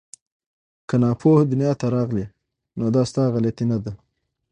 که ناپوه دنیا ته راغلې نو دا ستا غلطي نه ده